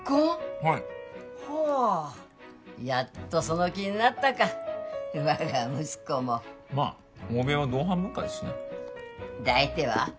はいほうやっとその気になったか我が息子もまあ欧米は同伴文化ですしねで相手は？